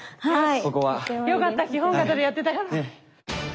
よかった基本形でやってたから。